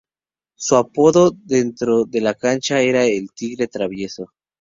Su apodo dentro de la cancha era "El Tigre Traverso".